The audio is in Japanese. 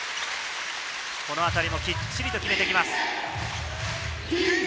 このあたりも、きっちりと決めてきます。